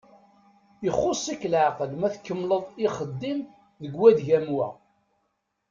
Ixuss-ik leɛqel ma tkemmleḍ ixeddim deg wadeg am wa.